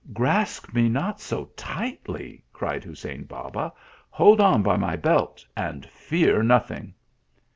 "Grasp me not so tightly," cried Hussein Baba; "hold on by my belt, and fear nothing."